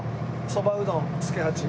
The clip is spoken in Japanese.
「そばうどん助八」。